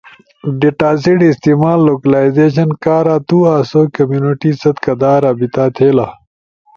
ڈیٹاسیٹ استعمال لوکلائزیشن کارا، تو آسو کمیونٹی ست کدا رابطہ تھئیلا۔